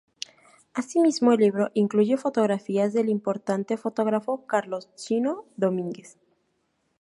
Asimismo el libro incluye fotografías del importante fotógrafo Carlos "Chino" Domínguez.